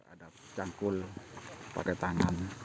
ada cangkul pakai tangan